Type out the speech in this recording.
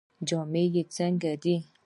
جامې یې څنګه دي؟